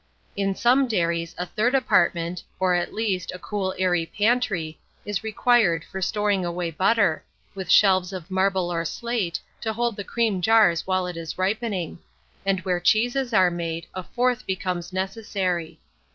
In some dairies a third apartment, or, at least, a cool airy pantry, is required for storing away butter, with shelves of marble or slate, to hold the cream jars while it is ripening; and where cheeses are made, a fourth becomes necessary.